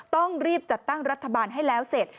ต้องรีบจัดตั้งรัฐบาลให้แล้วเสร็จ